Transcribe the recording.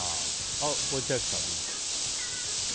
千秋さん、どうでしょうか。